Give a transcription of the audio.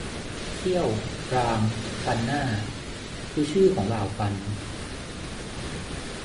เขี้ยว กราม ฟันหน้า คือ ชื่อของเหล่าฟัน